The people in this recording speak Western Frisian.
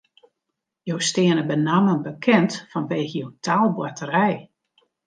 Jo steane benammen bekend fanwege jo taalboarterij.